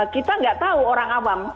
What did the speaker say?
kita nggak tahu orang awam